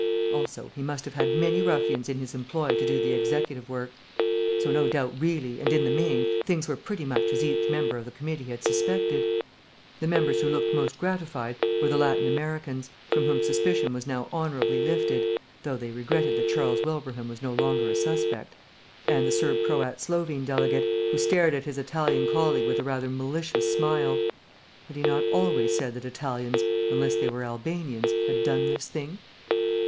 Also, he must have had many ruffians in his employ to do the executive work. So no doubt really and in the main things were pretty much as each member of the committee had suspected. The members who looked most gratified were the Latin Americans, from whom suspicion was now honourably lifted (though they regretted that Charles Wilbraham was no longer a suspect), and the Serb Croat Slovene delegate, who stared at his Italian colleague with a rather malicious smile. Had he not always said that Italians (unless it were Albanians) had done this thing?